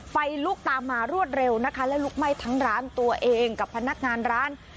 ไฟลุกตามมารวดเร็วนะคะแล้วลุกไหม้ทั้งร้านตัวเองกับพนักงานร้าน